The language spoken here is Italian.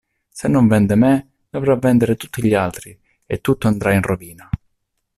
Se non vende me, dovrà vendere tutti gli altri e tutto andrà in rovina...